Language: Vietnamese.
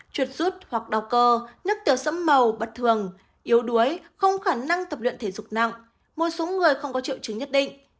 chuột rút hoặc đau cơ nức tiểu sẫm màu bất thường yếu đuối không khả năng tập luyện thể dục nặng một số người không có triệu chứng nhất định